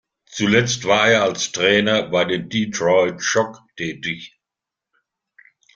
Zuletzt war er als Trainer bei den Detroit Shock tätig.